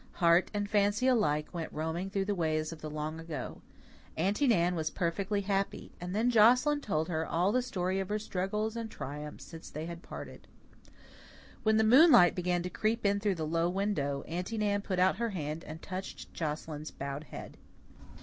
Heart and fancy alike went roaming through the ways of the long ago. Aunty Nan was perfectly happy. And then Joscelyn told her all the story of her struggles and triumphs since they had parted. When the moonlight began to creep in through the low window, Aunty Nan put out her hand and touched Joscelyn's bowed head.